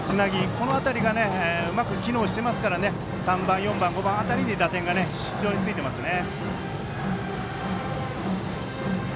この辺りがうまく機能していますから３番、４番、５番辺りに打点が非常についていますね。